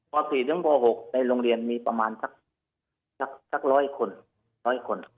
ป๔ถึงป๖ในโรงเรียนมีประมาณสัก๑๐๐คน๑๐๐คน